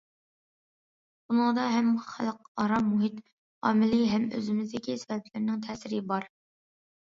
بۇنىڭدا ھەم خەلقئارا مۇھىت ئامىلى، ھەم ئۆزىمىزدىكى سەۋەبلەرنىڭ تەسىرى بار.